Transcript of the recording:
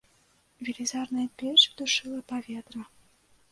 Велізарная печ душыла паветра.